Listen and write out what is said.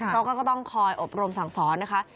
เราก็ต้องคอยอบรมสั่งสอนนะคะ